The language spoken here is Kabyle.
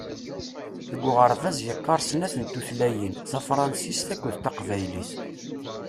Deg uɣerbaz yeqqaṛ snat n tutlayin: Tafransist akked taqbaylit.